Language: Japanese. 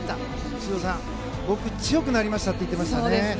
修造さん、僕強くなりましたって言ってました。